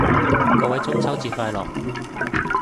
各位中秋節快樂